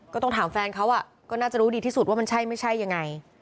ก็ต้องถามแฟนเขาก็น่าจะรู้ดีที่สุดว่ามันใช่ไม่ใช่ยังไง